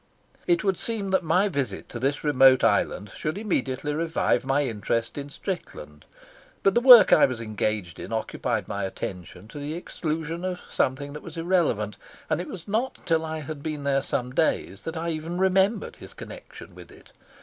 It would seem that my visit to this remote island should immediately revive my interest in Strickland, but the work I was engaged in occupied my attention to the exclusion of something that was irrelevant, and it was not till I had been there some days that I even remembered his connection with it.